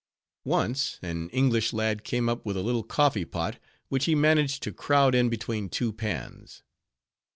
Once, an English lad came up with a little coffee pot, which he managed to crowd in between two pans.